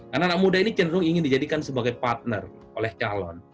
karena anak muda ini cenderung ingin dijadikan sebagai partner oleh calon